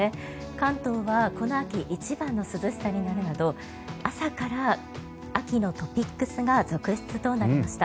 関東はこの秋一番の涼しさになるなど朝から秋のトピックスが続出となりました。